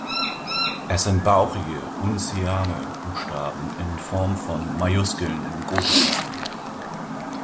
Es sind bauchige (unziale) Buchstaben in Form von „Majuskeln im gotischen Stil“.